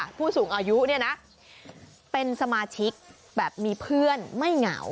ผู้สูงอายุเนี่ยนะเป็นสมาชิกแบบมีเพื่อนไม่เหงา